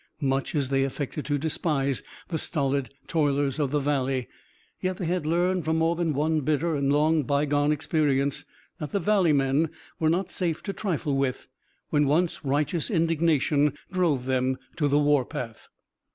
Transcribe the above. Much as they affected to despise the stolid toilers of the Valley, yet they had learned from more than one bitter and long bygone experience that the Valley men were not safe to trifle with when once righteous indignation drove them to the warpath.